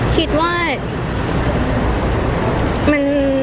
คิดว่า